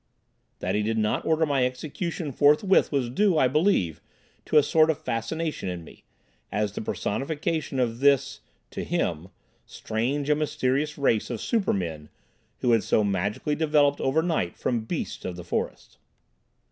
That he did not order my execution forthwith was due, I believe to a sort of fascination in me, as the personification of this (to him) strange and mysterious race of super men who had so magically developed overnight from "beasts" of the forest.